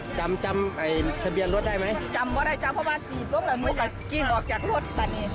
จำจำไอ้ทะเบียนรถได้ไหมจำว่าได้จำเพราะว่าจีบรถแล้วมันก็กิ้งออกจากรถตอนนี้